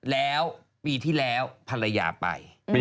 แล้วปีที่แล้วภรรยาไป